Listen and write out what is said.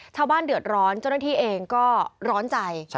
ชาวบ้านเดือดร้อนเจ้าหน้าที่เองก็ร้อนใจ